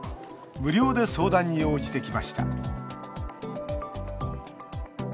無料で相談に応じてきました。